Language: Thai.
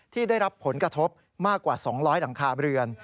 ที่ได้รับผลกระทบมากกว่า๒๐๐หลังคาเรือน